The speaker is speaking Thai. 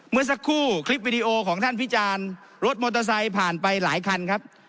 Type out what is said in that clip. เมื่อสักครู่คลิปวิดีโอของท่านพิจารณ์รถมอเตอร์ไซค์ผ่านไปหลายคันครับ